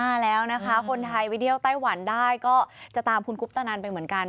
แล้วนะคะคนไทยไปเที่ยวไต้หวันได้ก็จะตามคุณคุปตะนันไปเหมือนกัน